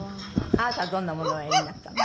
あなたはどんなものをおやりになったの？